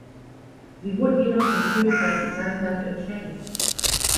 Sie wurden jedoch vom Königreich Italien dafür entschädigt.